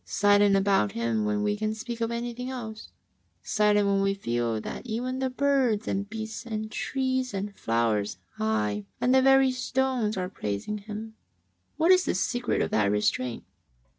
— silent about Him when we can speak of anything else ; silent, when we feel that even the birds and beasts and trees and flowers, aye, and the very stones, arc praising Him? What is the secret of that restraint?